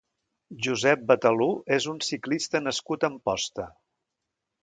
Josep Betalú és un ciclista nascut a Amposta.